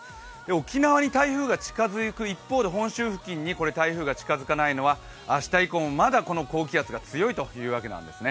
沖縄に台風が近づく一方で本州付近に台風が近づかないのは明日以降も、まだこの高気圧が強いというわけなんですね。